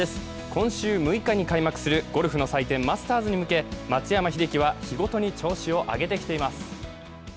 今週６日に開幕するゴルフの祭典・マスターズに向け、松山英樹は日ごとに調子を上げてきています。